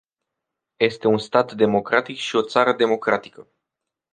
Este un stat democratic și o țară democratică.